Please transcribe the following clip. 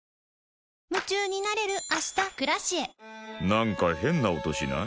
なんか変な音しない？